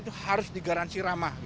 itu harus digaransi ramah